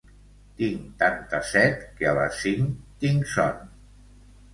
Tinc tanta set que a les cinc tinc son